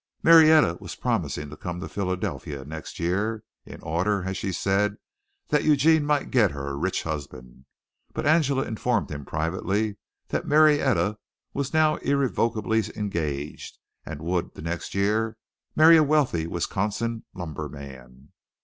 Marietta was promising to come to Philadelphia next year, in order, as she said, that Eugene might get her a rich husband; but Angela informed him privately that Marietta was now irrevocably engaged and would, the next year, marry a wealthy Wisconsin lumber man.